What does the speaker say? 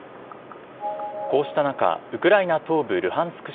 こうした中、ウクライナ東部ルハンスク